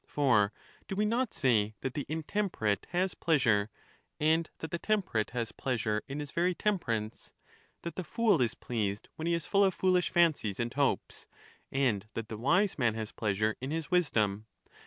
For do we not say that the intemperate has socratbs, pleasure, and that the temperate has pleasure in his very Protarchus. temperance, — that the fool is pleased when he is full of foolish fancies and hopes, and that the wise man has plea sure in his wisdom?